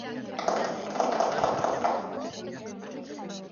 დიდი მწერალი ილია ჭავჭავაძე.